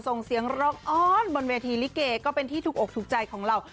ส่งเสียงร้องอ้อนบนเวทีลิเกก็เป็นที่ถูกอกถูกใจของเรา